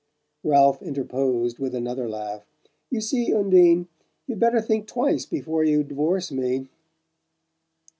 Ralph interposed with another laugh. "You see, Undine, you'd better think twice before you divorce me!"